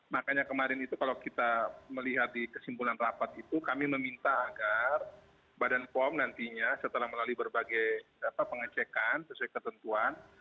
makanya kemarin itu kalau kita melihat di kesimpulan rapat itu kami meminta agar badan pom nantinya setelah melalui berbagai pengecekan sesuai ketentuan